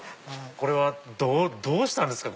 これはどうしたんですか？